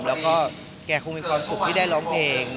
แล้วก็แกคงมีความสุขที่ได้ร้องเพลง